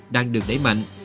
đang được đẩy mạnh